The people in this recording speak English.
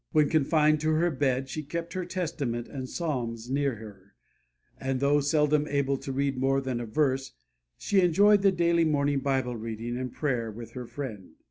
When confined to her bed she kept her Testament and Psalms near her, and though seldom able to read more than a verse she enjoyed the daily morning Bible reading and prayer with her friend.